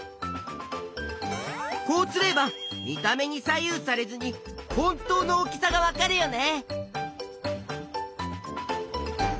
こうすれば見た目に左右されずに本当の大きさがわかるよね。